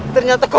tidak ada apa apa